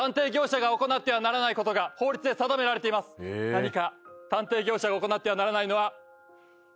何か？